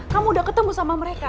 kamu udah ketemu sama mereka